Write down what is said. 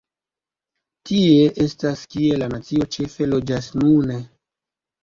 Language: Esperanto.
Tie estas kie la nacio ĉefe loĝas nune.